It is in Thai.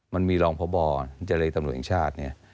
มันมีรองพบเจรย์ตำรวจแห่งชาติ